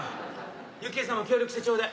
幸恵さんも協力してちょうだい。